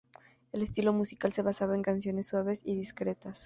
El estilo musical se basaba en canciones suaves y discretas.